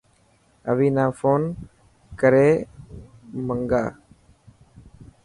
اوئي نا فون ڪري منگا.